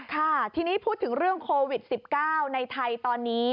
ค่ะทีนี้พูดถึงเรื่องโควิด๑๙ในไทยตอนนี้